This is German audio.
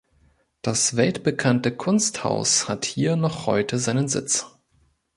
Das weltbekannte Kunsthaus hat hier noch heute seinen Sitz.